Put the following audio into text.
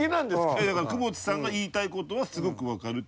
いやだから久保田さんが言いたい事はすごくわかるって。